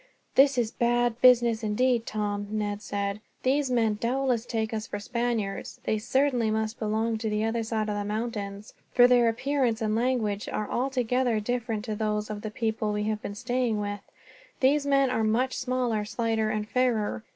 "This is a bad business indeed, Tom," Ned said. "These men doubtless take us for Spaniards. They certainly must belong to the other side of the mountains, for their appearance and language are altogether different to those of the people we have been staying with. These men are much smaller, slighter, and fairer.